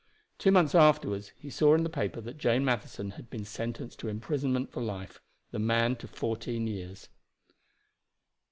Two months afterward he saw in the paper that Jane Matheson had been sentenced to imprisonment for life, the man to fourteen years.